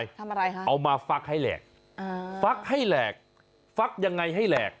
ทำอะไรคะเอามาฟักให้แหลกอ่าฟักให้แหลกฟักยังไงให้แหลก